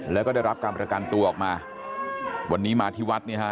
แล้วก็ได้รับการประกันตัวออกมาวันนี้มาที่วัดเนี่ยฮะ